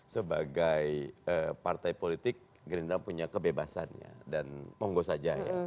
sebagai partai politik gerindra punya kebebasannya dan monggo saja ya